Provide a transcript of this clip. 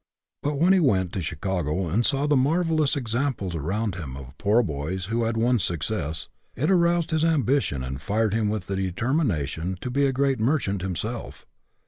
But when he went to Chicago and saw the marvelous examples around him of poor boys who had won suc cess, it aroused his ambition and fired him with the determination to be a great merchant him self.